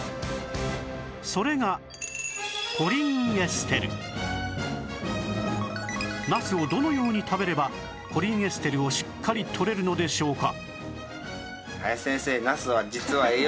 それがナスをどのように食べればコリンエステルをしっかりとれるのでしょうか？